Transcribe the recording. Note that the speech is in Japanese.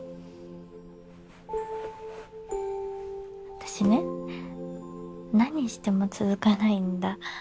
私ね何しても続かないんだ。